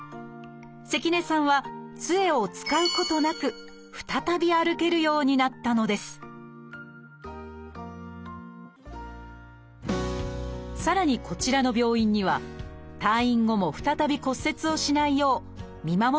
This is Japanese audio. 関根さんはつえを使うことなく再び歩けるようになったのですさらにこちらの病院には退院後も再び骨折をしないよう見守ってくれる人がいます。